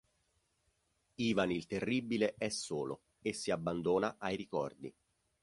Ivan il Terribile è solo e si abbandona ai ricordi.